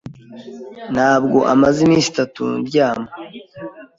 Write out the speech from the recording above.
Ntabwo maze iminsi itatu ndyama.